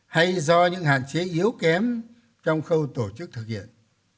hay do những hạn chế yếu kém trong khâu tổ chức thực hiện